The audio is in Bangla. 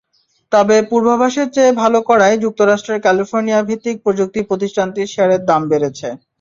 তবে পূর্বাভাসের চেয়ে ভালো করায় যুক্তরাষ্ট্রের ক্যালিফোর্নিয়া-ভিত্তিক প্রযুক্তি প্রতিষ্ঠানটির শেয়ারের দাম বেড়েছে।